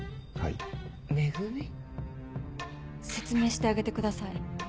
説明してあげてください。